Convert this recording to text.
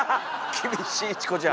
厳しいチコちゃん。